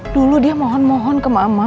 dulu dia mohon mohon ke mama